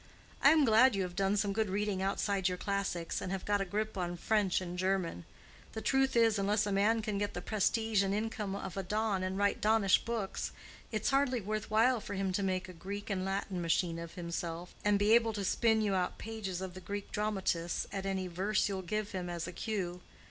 "I am glad you have done some good reading outside your classics, and have got a grip of French and German. The truth is, unless a man can get the prestige and income of a Don and write donnish books, it's hardly worth while for him to make a Greek and Latin machine of himself and be able to spin you out pages of the Greek dramatists at any verse you'll give him as a cue.